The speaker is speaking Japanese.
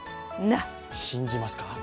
信じますか？